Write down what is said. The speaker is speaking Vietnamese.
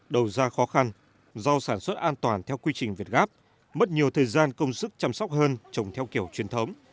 đầu ra khó khăn do sản xuất an toàn theo quy trình việt gáp mất nhiều thời gian công sức chăm sóc hơn trồng theo kiểu truyền thống